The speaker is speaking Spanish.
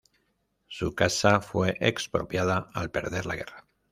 Su casa fue expropiada al perder la guerra.